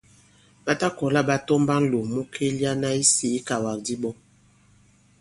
Ɓa ta kɔ̀la ɓa tɔmba ǹlòŋ mu kelyana isī ikàwàkdi ɓɔ.